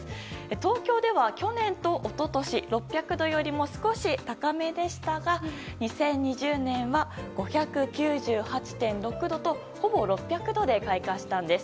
東京では去年と一昨年６００度よりも少し高めでしたが２０２０年は５９８．６度とほぼ６００度で開花したんです。